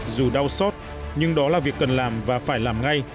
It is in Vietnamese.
dù đau xót nhưng đó là việc cần làm và phải làm ngay